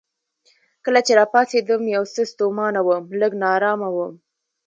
کله چې راپاڅېدم یو څه ستومانه وم، لږ نا ارامه وم.